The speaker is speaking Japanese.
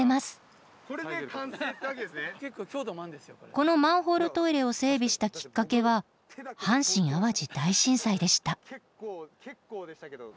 このマンホールトイレを整備したきっかけは阪神・淡路大震災でした。